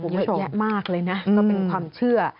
เยอะแยะมากเลยนะก็เป็นความเชื่อ